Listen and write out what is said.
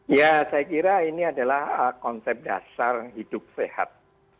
ya saya kira ini adalah konsep dasar hidup sehat